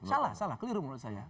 salah salah keliru menurut saya